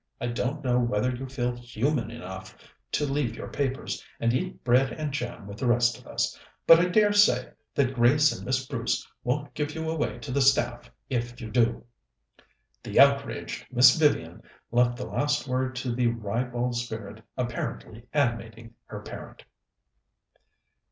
I don't know whether you feel human enough to leave your papers and eat bread and jam with the rest of us, but I dare say that Grace and Miss Bruce won't give you away to the staff if you do." The outraged Miss Vivian left the last word to the ribald spirit apparently animating her parent.